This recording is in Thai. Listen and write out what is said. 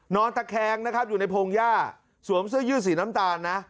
นอนตะแคงนะครับอยู่ในพงหญ้าสวมเสื้อยืดสีน้ำตาลนะ